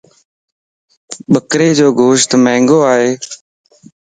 ٻڪري جو گوشت مھنگو ائي